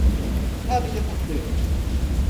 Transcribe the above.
Sadece takılıyoruz.